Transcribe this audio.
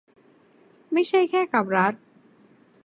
ไม่ใช่แค่กับรัฐ